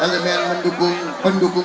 lmi yang pendukung